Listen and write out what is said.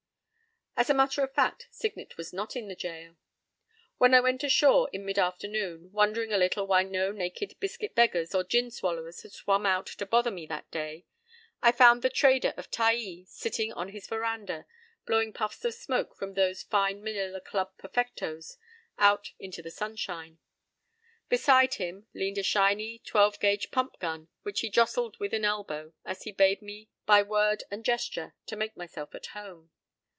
p> As a matter of fact, Signet was not in the jail. When I went ashore in mid afternoon, wondering a little why no naked biscuit beggars or gin swallowers had swum out to bother me that day, I found the trader of Taai sitting on his veranda, blowing puffs of smoke from those fine Manila Club perfectos out into the sunshine. Beside him leaned a shiny, twelve gauge pump gun which he jostled with an elbow as he bade me by word and gesture to make myself at home.